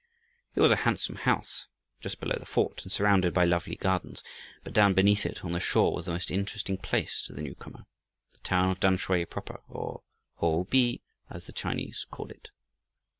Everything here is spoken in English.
It was a handsome house, just below the fort, and surrounded by lovely gardens. But down beneath it, on the shore, was the most interesting place to the newcomer, the town of Tamsui proper, or Ho Be, as the Chinese called it.